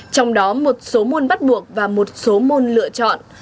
trong đó một số môn bắt buộc và một số môn lựa chọn